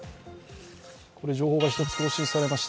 情報が１つ更新されました。